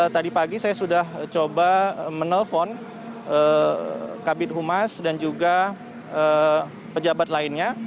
tadi pagi saya sudah coba menelpon kabit humas dan juga pejabat lainnya